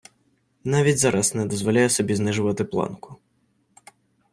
Навіть зараз не дозволяє собі знижувати планку.